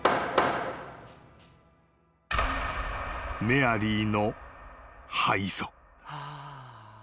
［メアリーの敗訴］